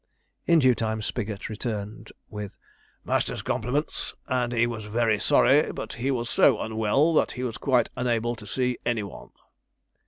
In due time Spigot returned, with 'Master's compliments, and he was very sorry, but he was so unwell that he was quite unable to see any one.'